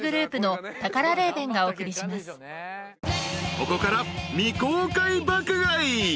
［ここから未公開爆買い］